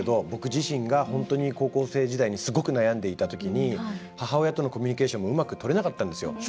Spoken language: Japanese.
僕自身が本当に高校生時代にすごく悩んでいたときに母親とのコミュニケーションもうまくとれなかったんですよ。